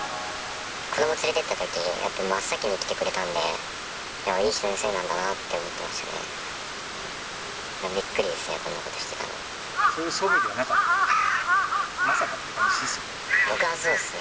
子ども連れていったときに、やっぱり真っ先に来てくれたんで、いい先生なんだなって思ってましたね。